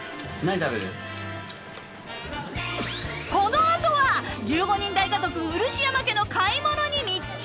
［この後は１５人大家族うるしやま家の買い物に密着］